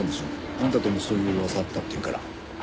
あんたともそういう噂あったっていうから。